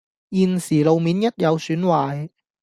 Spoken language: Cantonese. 現時路面一有損壞